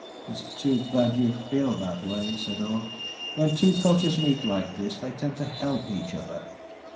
"It's too bad you feel that way," said Orne. "When two cultures meet like this they tend to help each other.